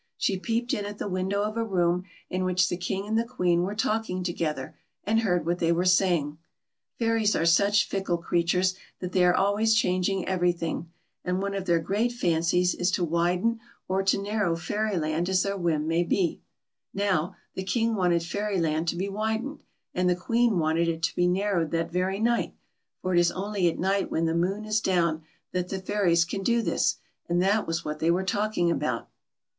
She peeped in at the window of a room in which the King and the Queen were talking together, and heard what they were saying. Fairies are such fickle creatures that they are always changing every thing and one of their great fancies is to widen or to fiAlTY. 205 narrow Fairyland as their wliini may be. Now, the Kin<; wanted Fairyland to be widened, and the Queen wanted it to be narrowed that very night, for it is only at night when the moon is down that the fairies can do this, and that was what they were talking about.